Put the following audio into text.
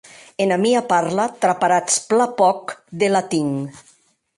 Ena mia parla traparatz plan pòc de latin.